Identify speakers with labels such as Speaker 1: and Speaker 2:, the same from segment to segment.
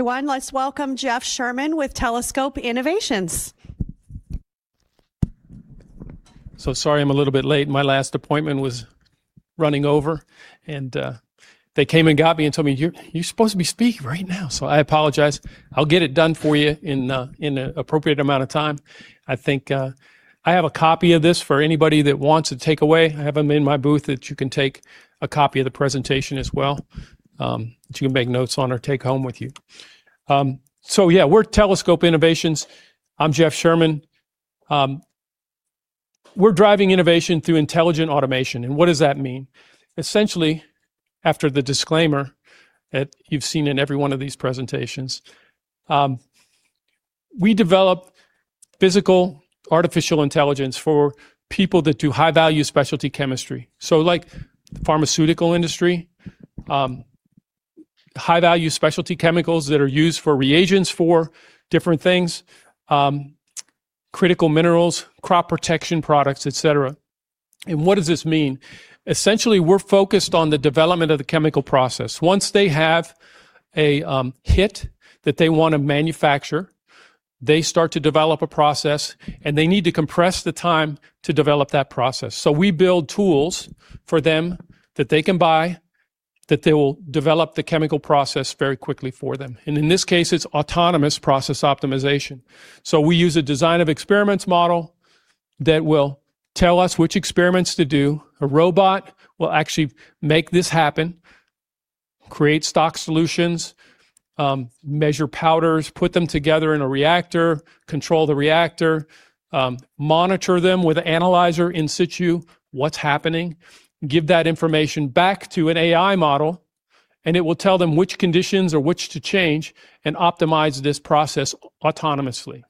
Speaker 1: Everyone, let's welcome Jeff Sherman with Telescope Innovations.
Speaker 2: Sorry, I'm a little bit late. My last appointment was running over, and they came and got me and told me, "You're supposed to be speaking right now." I apologize. I'll get it done for you in an appropriate amount of time. I think I have a copy of this for anybody that wants to take away. I have them in my booth that you can take a copy of the presentation as well, that you can make notes on or take home with you. Yeah, we're Telescope Innovations. I'm Jeff Sherman. We're driving innovation through intelligent automation. What does that mean? Essentially, after the disclaimer that you've seen in every one of these presentations, we develop physical artificial intelligence for people that do high-value specialty chemistry, so like the pharmaceutical industry, high-value specialty chemicals that are used for reagents for different things, critical minerals, crop protection products, et cetera. What does this mean? Essentially, we're focused on the development of the chemical process. Once they have a hit that they want to manufacture, they start to develop a process, and they need to compress the time to develop that process. We build tools for them that they can buy, that they will develop the chemical process very quickly for them. In this case, it's autonomous process optimization. We use a design of experiments model that will tell us which experiments to do. A robot will actually make this happen, create stock solutions, measure powders, put them together in a reactor, control the reactor, monitor them with an analyzer in situ, what's happening, give that information back to an AI model, and it will tell them which conditions or which to change and optimize this process autonomously.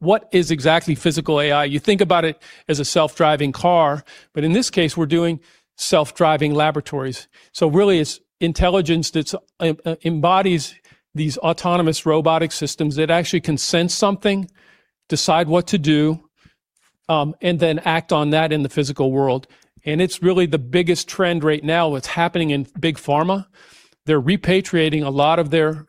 Speaker 2: What is exactly physical AI? You think about it as a self-driving car, but in this case, we're doing self-driving laboratories. So really, it's intelligence that embodies these autonomous robotic systems that actually can sense something, decide what to do, and then act on that in the physical world. It's really the biggest trend right now. It's happening in big pharma. They're repatriating a lot of their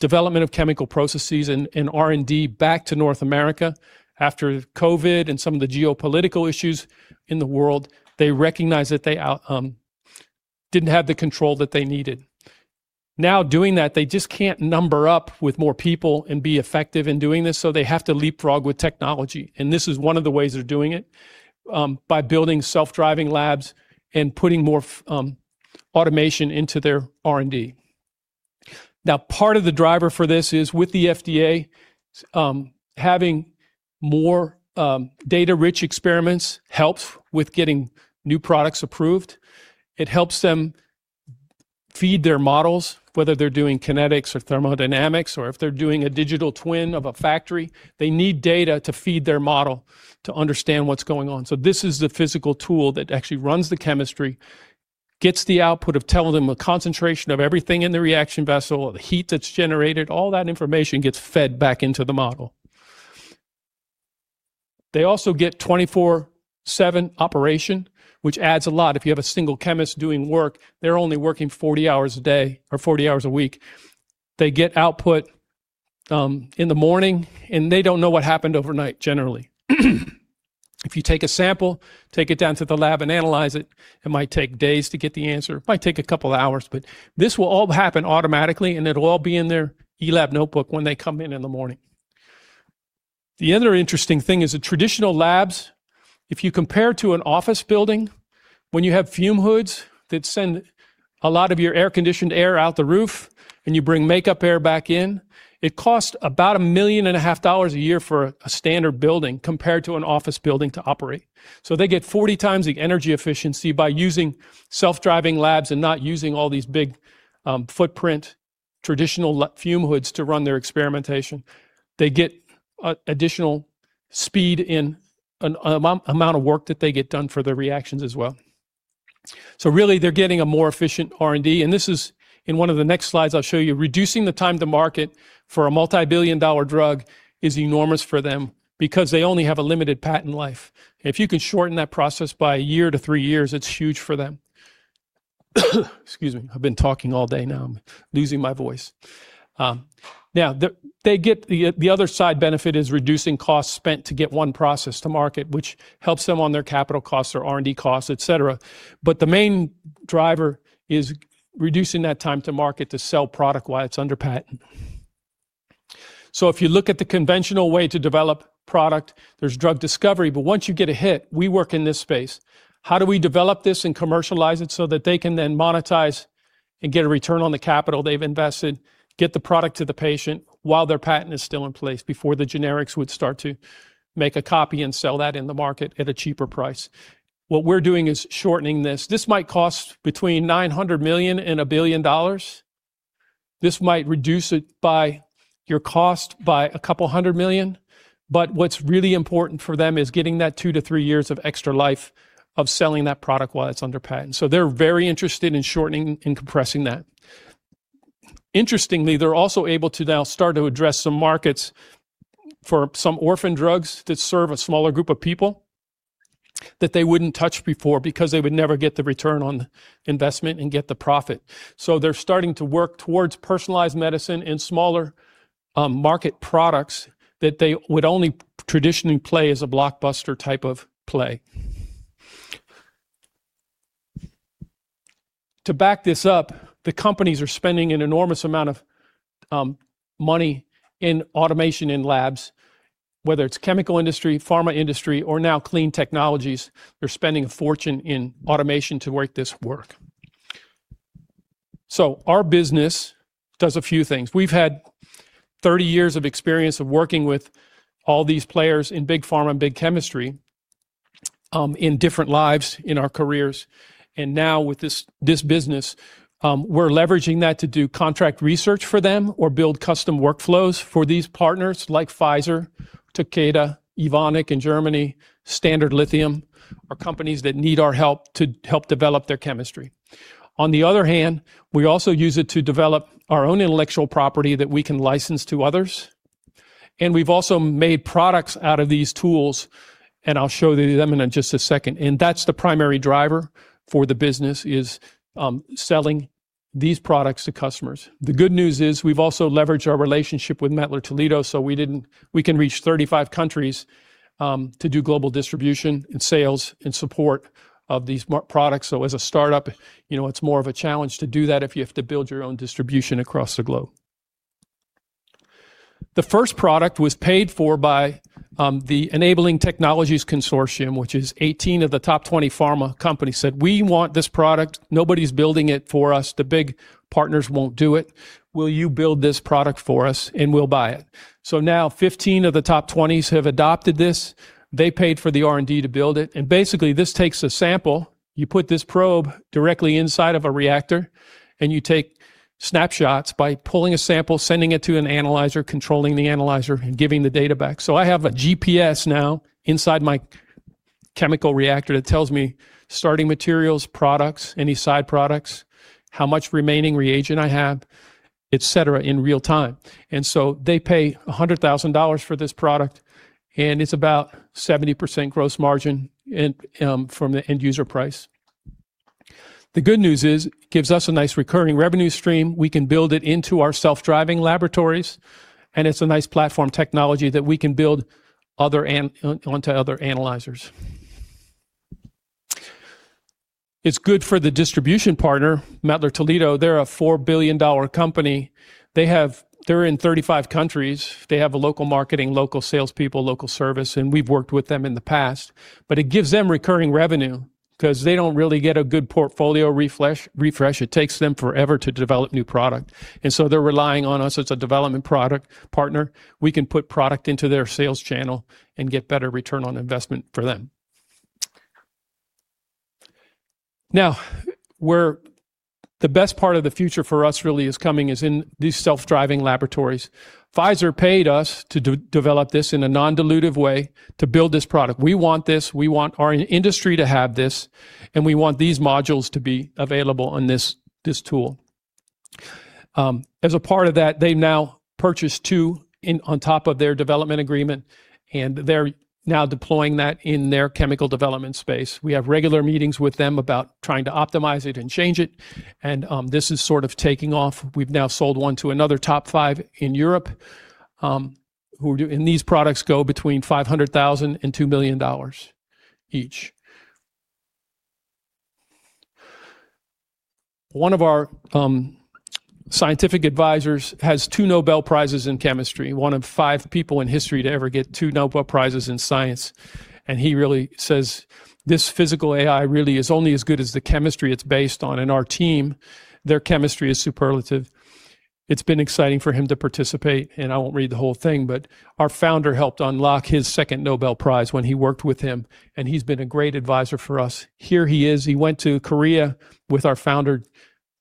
Speaker 2: development of chemical processes and R&D back to North America after COVID and some of the geopolitical issues in the world. They recognize that they didn't have the control that they needed. Now, doing that, they just can't number up with more people and be effective in doing this, so they have to leapfrog with technology, and this is one of the ways they're doing it, by building self-driving labs and putting more automation into their R&D. Part of the driver for this is with the FDA. Having more data-rich experiments helps with getting new products approved. It helps them feed their models, whether they're doing kinetics or thermodynamics or if they're doing a digital twin of a factory. They need data to feed their model to understand what's going on. This is the physical tool that actually runs the chemistry, gets the output of telling them the concentration of everything in the reaction vessel, the heat that's generated, all that information gets fed back into the model. They also get 24/7 operation, which adds a lot. If you have a single chemist doing work, they're only working 40 hours a day or 40 hours a week. They get output in the morning, and they don't know what happened overnight, generally. If you take a sample, take it down to the lab and analyze it, it might take days to get the answer. It might take a couple hours, but this will all happen automatically, and it'll all be in their eLab notebook when they come in in the morning. The other interesting thing is that traditional labs, if you compare to an office building, when you have fume hoods that send a lot of your air-conditioned air out the roof and you bring makeup air back in, it costs about 1.5 million a year for a standard building compared to an office building to operate. They get 40 times the energy efficiency by using self-driving labs and not using all these big footprint traditional fume hoods to run their experimentation. They get additional speed in amount of work that they get done for their reactions as well. So really, they're getting a more efficient R&D, and this is in one of the next slides I'll show you. Reducing the time to market for a multibillion-dollar drug is enormous for them because they only have a limited patent life. If you can shorten that process by a year to three years, it's huge for them. Excuse me. I've been talking all day now. I'm losing my voice. Now, the other side benefit is reducing costs spent to get one process to market, which helps them on their capital costs or R&D costs, et cetera. But the main driver is reducing that time to market to sell product while it's under patent. If you look at the conventional way to develop product, there's drug discovery. Once you get a hit, we work in this space. How do we develop this and commercialize it so that they can then monetize and get a return on the capital they've invested, get the product to the patient while their patent is still in place before the generics would start to make a copy and sell that in the market at a cheaper price? What we're doing is shortening this. This might cost between 900 million and 1 billion dollars. This might reduce it by, your cost by a couple hundred million. But what's really important for them is getting that two to three years of extra life of selling that product while it's under patent. They're very interested in shortening and compressing that. Interestingly, they're also able to now start to address some markets for some orphan drugs that serve a smaller group of people that they wouldn't touch before because they would never get the return on investment and get the profit. They're starting to work towards personalized medicine and smaller market products that they would only traditionally play as a blockbuster type of play. To back this up, the companies are spending an enormous amount of money in automation in labs, whether it's chemical industry, pharma industry, or now clean technologies. They're spending a fortune in automation to make this work. Our business does a few things. We've had 30 years of experience of working with all these players in big pharma and big chemistry, in different lives in our careers. Now, with this business, we're leveraging that to do contract research for them or build custom workflows for these partners like Pfizer, Takeda, Evonik in Germany, Standard Lithium, are companies that need our help to help develop their chemistry. On the other hand, we also use it to develop our own intellectual property that we can license to others. We've also made products out of these tools, and I'll show them in just a second. That's the primary driver for the business is selling these products to customers. The good news is we've also leveraged our relationship with METTLER TOLEDO, so we can reach 35 countries to do global distribution and sales and support of these products. As a startup, it's more of a challenge to do that if you have to build your own distribution across the globe. The first product was paid for by the Enabling Technologies Consortium, which is 18 of the top 20 pharma companies, said, "We want this product. Nobody's building it for us. The big partners won't do it. Will you build this product for us and we'll buy it?" So now, 15 of the top 20s have adopted this. They paid for the R&D to build it. Basically, this takes a sample. You put this probe directly inside of a reactor, and you take snapshots by pulling a sample, sending it to an analyzer, controlling the analyzer, and giving the data back. I have a GPS now inside my chemical reactor that tells me starting materials, products, any side products, how much remaining reagent I have, et cetera, in real-time. They pay 100,000 dollars for this product, and it's about 70% gross margin from the end-user price. The good news is it gives us a nice recurring revenue stream. We can build it into our self-driving laboratories, and it's a nice platform technology that we can build onto other analyzers. It's good for the distribution partner, METTLER TOLEDO. They're a 4 billion dollar company. They're in 35 countries. They have a local marketing, local salespeople, local service, and we've worked with them in the past. It gives them recurring revenue because they don't really get a good portfolio refresh. It takes them forever to develop new product, and so they're relying on us as a development product partner. We can put product into their sales channel and get better return on investment for them. Now, where the best part of the future for us really is coming is in these self-driving laboratories. Pfizer paid us to develop this in a non-dilutive way to build this product. We want this, we want our industry to have this, and we want these modules to be available on this tool. As a part of that, they've now purchased two on top of their development agreement, and they're now deploying that in their chemical development space. We have regular meetings with them about trying to optimize it and change it. This is sort of taking off. We've now sold one to another top five in Europe. These products go between 500,000 and 2 million dollars each. One of our scientific advisors has two Nobel Prizes in chemistry, one of five people in history to ever get two Nobel Prizes in science. He really says this physical AI really is only as good as the chemistry it's based on. Our team, their chemistry is superlative. It's been exciting for him to participate. I won't read the whole thing, but our founder helped unlock his second Nobel Prize when he worked with him, and he's been a great advisor for us. Here he is. He went to Korea with our founder,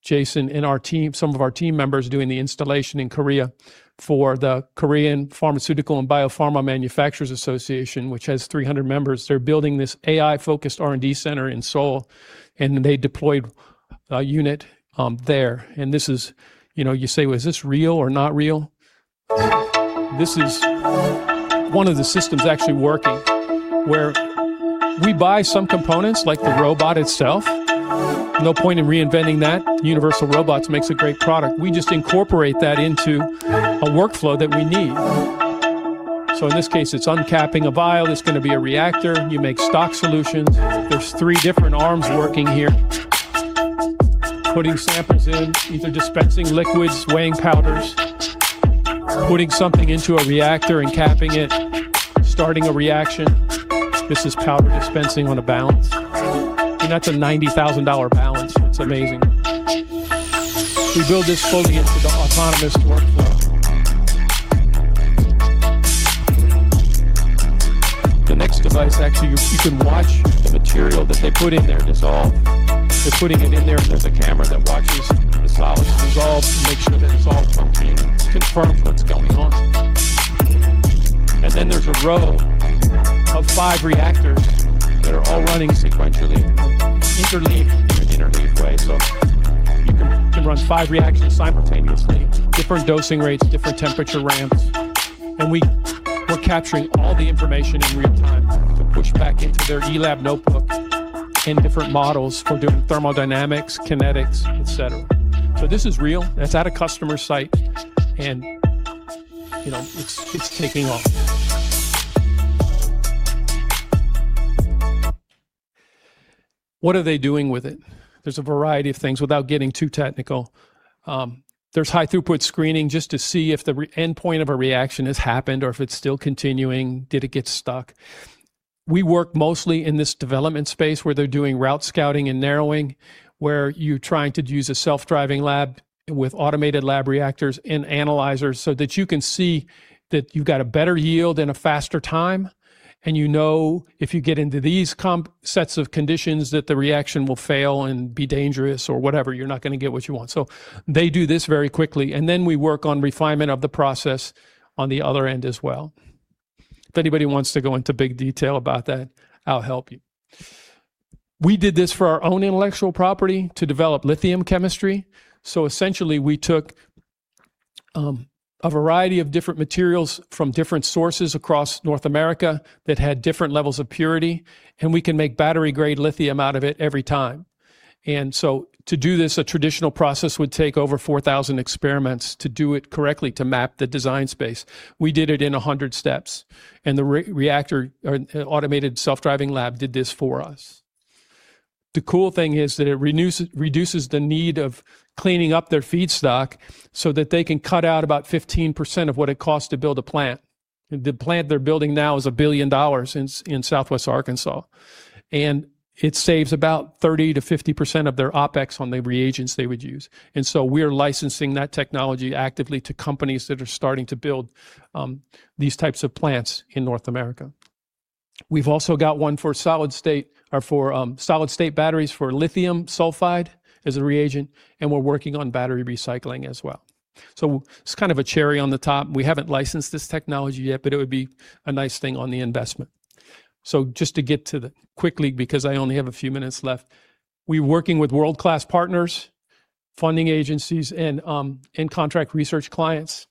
Speaker 2: Jason, and some of our team members doing the installation in Korea for the Korea Pharmaceutical and Bio-Pharma Manufacturers Association, which has 300 members. They're building this AI-focused R&D center in Seoul, and they deployed a unit there. And this is, you know, you say, "Is this real or not real?" This is, one of the systems actually working, where we buy some components, like the robot itself. No point in reinventing that. Universal Robots makes a great product, we just incorporate that into a workflow that we need. In this case, it's uncapping a vial. It's going to be a reactor. You make stock solutions. There's three different arms working here, putting samples in, either dispensing liquids, weighing powders, putting something into a reactor and capping it, starting a reaction. This is powder dispensing on a balance, that's a 90,000 dollar balance. It's amazing. We build this flow into the autonomous workflow. The next device, actually, you can watch the material that they put in there dissolve. They're putting it in there's a camera that watches the solids dissolve to make sure that it dissolves completely and confirms what's going on. A row of five reactors that are all running sequentially, interleaved. You can run five reactions simultaneously, different dosing rates, different temperature ramps, and we're capturing all the information in real time to push back into their eLab notebook in different models for doing thermodynamics, kinetics, et cetera. This is real. That's at a customer site and it's taking off. What are they doing with it? There's a variety of things. Without getting too technical, there's high throughput screening just to see if the end point of a reaction has happened or if it's still continuing. Did it get stuck? We work mostly in this development space where they're doing route scouting and narrowing, where you're trying to use a self-driving lab with automated lab reactors and analyzers so that you can see that you've got a better yield and a faster time. You know if you get into these sets of conditions that the reaction will fail and be dangerous or whatever, you're not going to get what you want. They do this very quickly, and then we work on refinement of the process on the other end as well. If anybody wants to go into big detail about that, I'll help you. We did this for our own intellectual property to develop lithium chemistry. Essentially, we took a variety of different materials from different sources across North America that had different levels of purity, and we can make battery-grade lithium out of it every time. To do this, a traditional process would take over 4,000 experiments to do it correctly, to map the design space. We did it in 100 steps, and the automated self-driving lab did this for us. The cool thing is that it reduces the need of cleaning up their feedstock so that they can cut out about 15% of what it costs to build a plant. The plant they're building now is 1 billion dollars in Southwest Arkansas, and it saves about 30%-50% of their OpEx on the reagents they would use. We are licensing that technology actively to companies that are starting to build these types of plants in North America. We've also got one for solid-state batteries for lithium sulfide as a reagent, and we're working on battery recycling as well. It's kind of a cherry on the top. We haven't licensed this technology yet, but it would be a nice thing on the investment. Just to get quickly, because I only have a few minutes left, we're working with world-class partners, funding agencies, and contract research clients.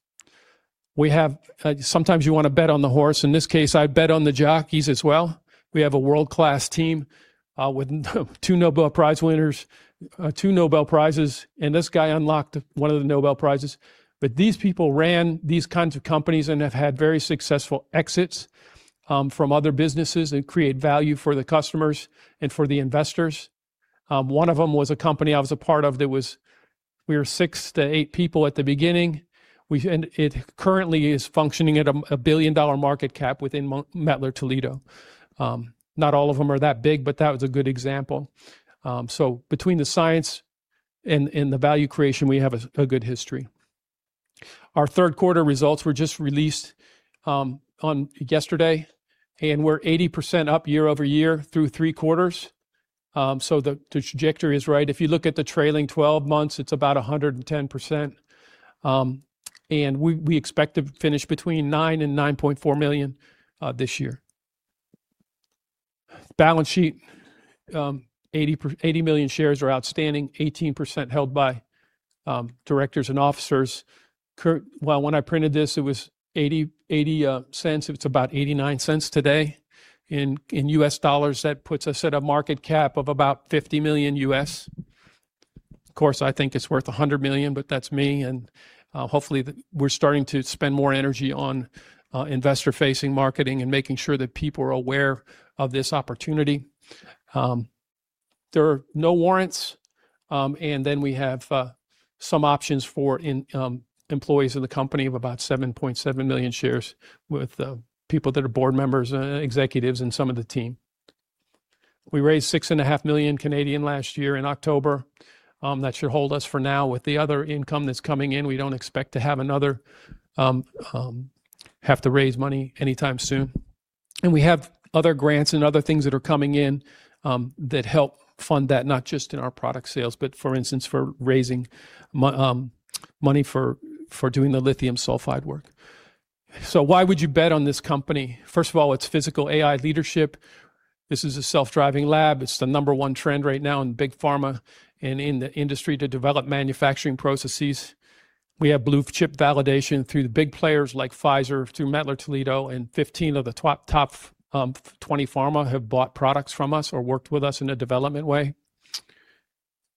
Speaker 2: Sometimes you want to bet on the horse. In this case, I bet on the jockeys as well. We have a world-class team with two Nobel Prize winners, two Nobel Prizes, and this guy unlocked one of the Nobel Prizes. These people ran these kinds of companies and have had very successful exits from other businesses and create value for the customers and for the investors. One of them was a company I was a part of that was, we were six to eight people at the beginning, it currently is functioning at a billion-dollar market cap within METTLER TOLEDO. Not all of them are that big, but that was a good example. Between the science and the value creation, we have a good history. Our third-quarter results were just released yesterday, and we're 80% up year-over-year through three quarters. The trajectory is right. If you look at the trailing 12 months, it's about 110%. We expect to finish between 9 million and 9.4 million this year. Balance sheet. 80 million shares are outstanding, 18% held by directors and officers. Well, when I printed this, it was 0.80. It's about 0.89 today. In U.S. dollars, that puts us at a market cap of about $50 million. Of course, I think it's worth 100 million, but that's me. Hopefully we're starting to spend more energy on investor-facing marketing and making sure that people are aware of this opportunity. There are no warrants. Then we have some options for employees of the company of about 7.7 million shares with people that are board members, executives, and some of the team. We raised 6.5 million last year in October. That should hold us for now. With the other income that's coming in, we don't expect to have to raise money anytime soon. We have other grants and other things that are coming in that help fund that, not just in our product sales, but for instance, for raising money for doing the lithium sulfide work. Why would you bet on this company? First of all, it's physical AI leadership. This is a self-driving lab. It's the number one trend right now in big pharma and in the industry to develop manufacturing processes. We have blue-chip validation through the big players like Pfizer, through METTLER TOLEDO, and 15 of the top 20 pharma have bought products from us or worked with us in a development way.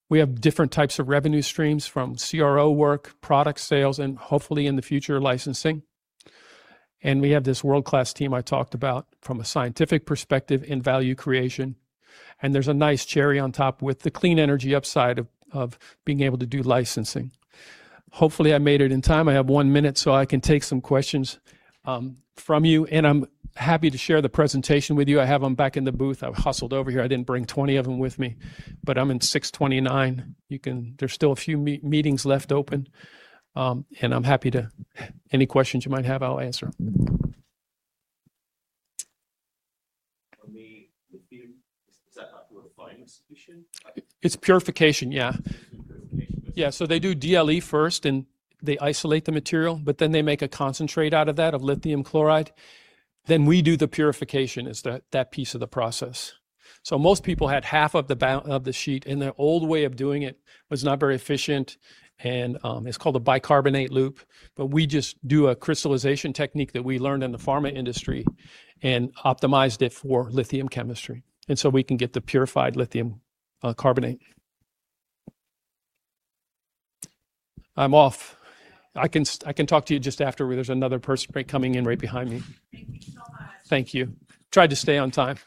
Speaker 2: We have different types of revenue streams from CRO work, product sales, and hopefully in the future, licensing. We have this world-class team I talked about from a scientific perspective in value creation, and there's a nice cherry on top with the clean energy upside of being able to do licensing. Hopefully, I made it in time. I have one minute so I can take some questions from you, and I'm happy to share the presentation with you. I have them back in the booth. I hustled over here. I didn't bring 20 of them with me, but I'm in 629. There's still a few meetings left open. I'm happy to, any questions you might have, I'll answer them.
Speaker 3: On the lithium, is that like a refining solution?
Speaker 2: It's purification, yeah. Yeah. They do DLE first, and they isolate the material, but then they make a concentrate out of that, of lithium chloride. Then, we do the purification, is that piece of the process. Most people had half of the sheet, and their old way of doing it was not very efficient, and it's called a bicarbonate loop. But we just do a crystallization technique that we learned in the pharma industry and optimized it for lithium chemistry, and so we can get the purified lithium carbonate. I'm off. I can talk to you just after. There's another person coming in right behind me.
Speaker 1: Thank you so much.
Speaker 2: Thank you. Tried to stay on time.